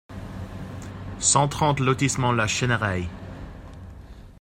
cent trente lotissement la Chêneraie